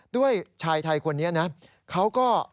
ด้วยชายไทยคนนี้นะเขาก็